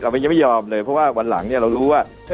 ยังไม่ยอมเลยเพราะว่าวันหลังเนี่ยเรารู้ว่า